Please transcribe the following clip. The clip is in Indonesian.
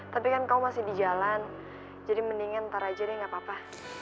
tapi kan kamu masih di jalan jadi mendingan ntar aja deh gapapa